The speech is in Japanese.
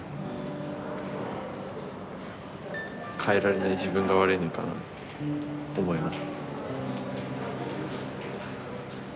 変えられない自分が悪いのかなって思います。